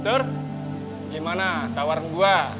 sur gimana tawaran gua